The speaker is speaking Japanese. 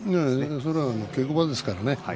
それは稽古場ですからね。